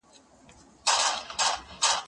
زه له سهاره موبایل کاروم؟!